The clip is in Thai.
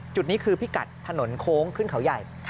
จุดนี้คือพิกัดถนนโค้งขึ้นเขาใหญ่